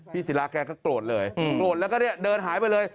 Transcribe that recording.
ศิลาแกก็โกรธเลยโกรธแล้วก็เนี่ยเดินหายไปเลย